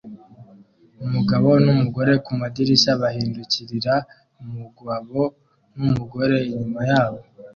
Umugabo numugore kumadirishya bahindukirira umugabo numugore inyuma yabo